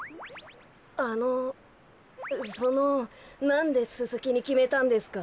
あのそのなんでススキにきめたんですか？